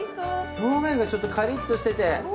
表面がちょっとカリッとしてて。